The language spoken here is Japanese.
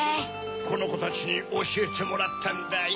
このコたちにおしえてもらったんだよ。